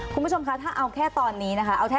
คุณผู้ชมคะถ้าเอาแค่ตอนนี้นะคะ